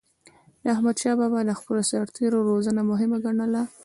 احمدشاه بابا د خپلو سرتېرو روزنه مهمه ګڼله.